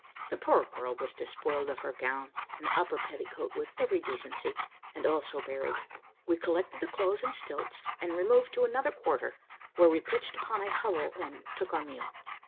The poor girl was despoiled of her gown and upper petticoat with every decency, and also buried. We collected the clothes and stilts, and removed to another quarter, where we pitched upon a hovel and took our meal.